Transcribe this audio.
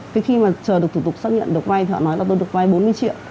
từ khi mà chờ được thủ tục xác nhận được vay thì họ nói là tôi được vay bốn mươi triệu